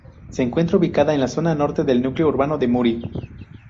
Se encuentra ubicada en la zona norte del núcleo urbano de Muri.